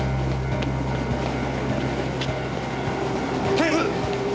警部！